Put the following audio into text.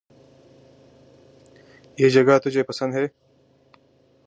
یہ جگہ تجھے پسند ہے؟